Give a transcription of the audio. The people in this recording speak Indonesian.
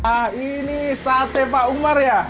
ah ini sate pak umar ya